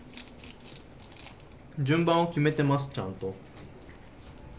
順番を決めていますちゃんと。